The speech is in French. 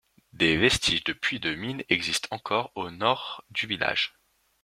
Des vestiges de puits de mines existent encore au nord du village.